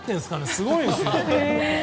すごいですよね。